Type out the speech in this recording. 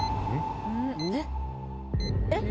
えっ？